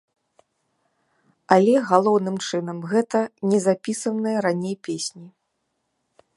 Але, галоўным чынам, гэта незапісаныя раней песні.